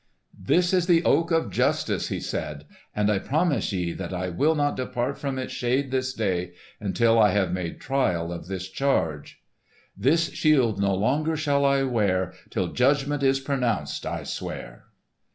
"This is the Oak of Justice!" he said, "and I promise ye that I will not depart from its shade this day, until I have made trial of this charge. "This shield no longer shall I wear Till judgment is pronounced, I swear."